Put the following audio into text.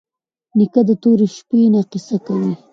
نیکه له تورې شپې نه کیسې کوي.